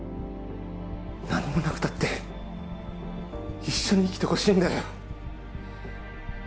何もなくたって一緒に生きてほしいんだよ